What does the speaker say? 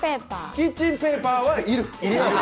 キッチンペーパーは、いる！